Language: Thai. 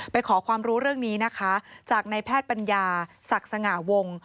ขอความรู้เรื่องนี้นะคะจากในแพทย์ปัญญาศักดิ์สง่าวง